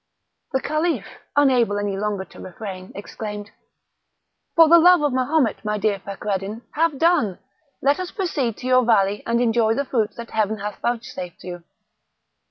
The Caliph, unable any longer to refrain, exclaimed— "For the love of Mahomet, my dear Fakreddin, have done! let us proceed to your valley, and enjoy the fruits that Heaven hath vouchsafed you."